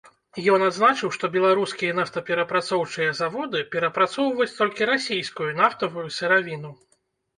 Ён адзначыў, што беларускія нафтаперапрацоўчыя заводы перапрацоўваюць толькі расійскую нафтавую сыравіну.